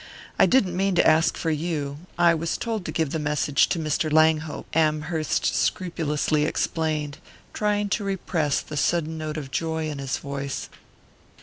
I didn't mean to ask for you I was told to give the message to Mr. Langhope," Amherst scrupulously explained, trying to repress the sudden note of joy in his voice.